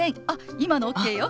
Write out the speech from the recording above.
今のＯＫよ！